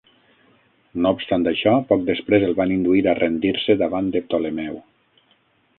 No obstant això, poc després el van induir a rendir-se davant de Ptolemeu.